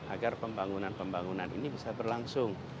agar pembangunan pembangunan ini bisa berlangsung